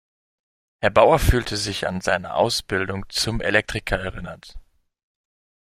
Herr Bauer fühlte sich an seine Ausbildung zum Elektriker erinnert.